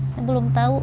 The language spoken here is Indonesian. saya belum tau